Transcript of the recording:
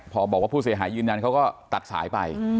พอบอกว่าผู้เสียหายยืนยันเขาก็ตัดสายไป